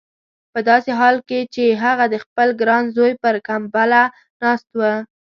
په داسې حال کې چې هغه د خپل ګران زوی پر کمبله ناست و.